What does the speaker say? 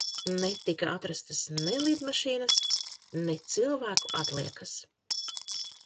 Netika atrastas ne lidmašīnas ne cilvēku atliekas.